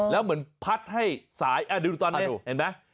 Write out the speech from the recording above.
แล้วเหมือนพัดให้สายดูตอนหนึ่งเห็นไหม